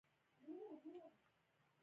د کابل بالا حصار د بابر جوړ کړ